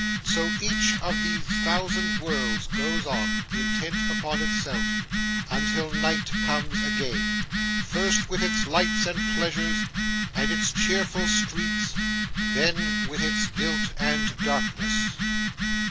So, each of these thousand worlds goes on, intent upon itself, until night comes again,—first with its lights and pleasures, and its cheerful streets; then with its guilt and darkness.